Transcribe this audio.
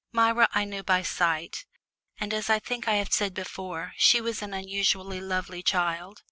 Myra I knew by sight, and as I think I have said before, she was an unusually lovely child.